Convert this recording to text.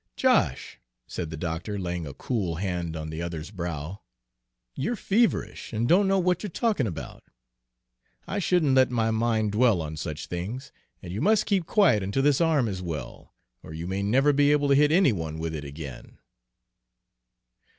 "Josh," said the doctor, laying a cool hand on the other's brow, "you 're feverish, and don't know what you're talking about. I shouldn't let my mind dwell on such things, and you must keep quiet until this arm is well, or you may never be able to hit any one with it again."